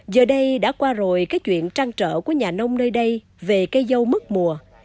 giờ đây đã qua rồi cái chuyện trang trở của nhà nông nơi đây về cây dâu mất mùa